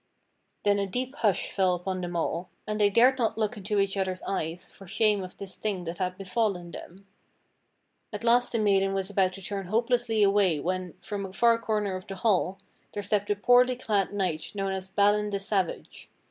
Then a deep hush fell upon them all, and they dared not look into each other's eyes for shame of this thing that had befallen them. At last the maiden was about to turn hopelessly away when, from a far corner of the hall, there stepped a poorly clad knight knowm as Balin the Savage.